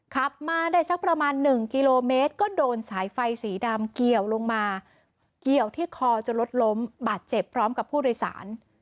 ขับมาได้สักประมาณ๑กิโลเมตรก็โดนสายไฟสีดำเกี่ยวลงมาเกี่ยวที่คอจนรถล้มบาดเจ็บพร้อมกับผู้โดยสาร